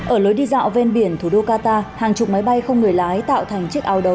ở lối đi dạo ven biển thủ đô qatar hàng chục máy bay không người lái tạo thành chiếc áo đầu